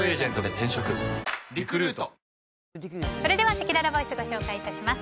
せきららボイス、ご紹介します。